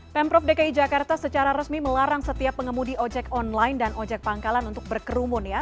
pemprov dki jakarta secara resmi melarang setiap pengemudi ojek online dan ojek pangkalan untuk berkerumun ya